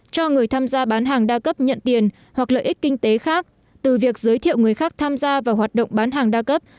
cho người tham gia bán hàng đa cấp nhận tiền hoặc lợi ích kinh tế khác từ việc giới thiệu người khác tham gia vào hoạt động bán hàng đa cấp